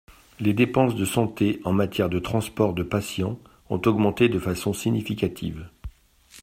Les dépenses de santé en matière de transport de patients ont augmenté de façon significative.